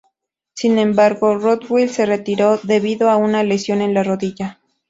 Sin embargo, Rothwell se retiró debido a una lesión en la rodilla.